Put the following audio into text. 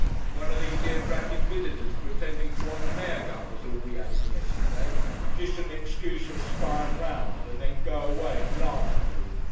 One of these 'ere dratted visitors pretendin' to want an air gun, was all we 'ad in yesterday. Jest an excuse for spyin' round and then go away and larf at you.